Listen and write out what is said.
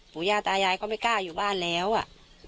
ย่าตายายก็ไม่กล้าอยู่บ้านแล้วอ่ะ